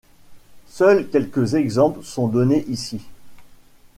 Seuls quelques exemples sont donnés ici.